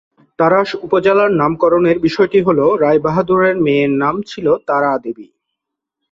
তাড়াশ উপজেলার নামকরণের বিষয়টি হলো রায় বাহাদুরের মেয়ের নাম ছিল তারা দেবী।